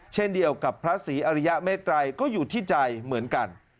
เช่นเดียวกับพระศรีอริยเมตรัยก็อยู่ที่ใจเหมือนกัน